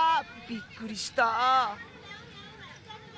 びっくりした。